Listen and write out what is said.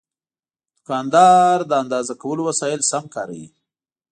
دوکاندار د اندازه کولو وسایل سم کاروي.